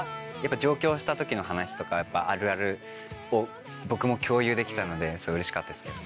上京した時の話とかあるあるを僕も共有できたのですごいうれしかったですけどね。